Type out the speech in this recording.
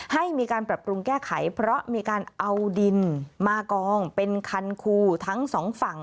ให้มีการปรับปรุงแก้ไขเพราะมีการเอาดินมากองเป็นคันคูทั้งสองฝั่ง